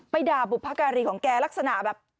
ด่าบุพการีของแกลักษณะแบบ